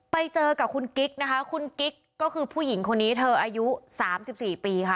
ไปเจอกับคุณกิ๊กนะคะคุณกิ๊กก็คือผู้หญิงคนนี้เธออายุ๓๔ปีค่ะ